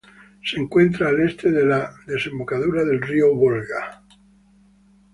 Se encuentra al este de la desembocadura del río Volga.